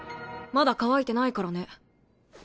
まだ乾いてないからね。